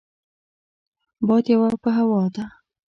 باديوه په هوا ده.